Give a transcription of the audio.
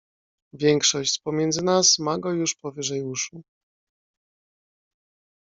"Większość z pomiędzy nas ma go już powyżej uszu."